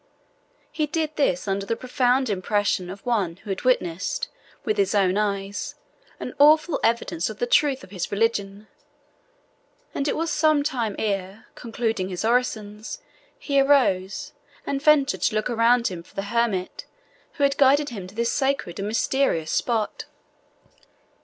He did this under the profound impression of one who had witnessed, with his own eyes, an awful evidence of the truth of his religion; and it was some time ere, concluding his orisons, he arose, and ventured to look around him for the hermit, who had guided him to this sacred and mysterious spot.